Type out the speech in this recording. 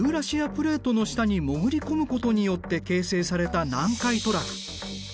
プレートの下に潜り込むことによって形成された南海トラフ。